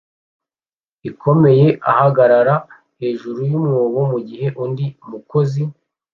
ikomeye ahagarara hejuru yumwobo mugihe undi mukozi